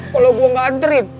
kalau gue nggak nganterin